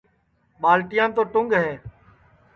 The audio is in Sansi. ٻالٹیام تو ٹُنٚگ ہے